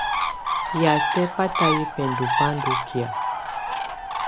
Yatɛ batayɛ bɛndɔ bá ndɔ́ kɛ̀á.